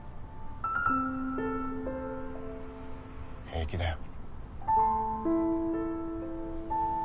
平気だよ。